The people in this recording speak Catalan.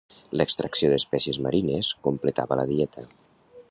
L'extracció d'espècies marines completava la dieta.